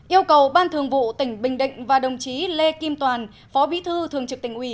yêu cầu ban thường vụ tỉnh bình định và đồng chí lê kim toàn phó bí thư thường trực tỉnh ủy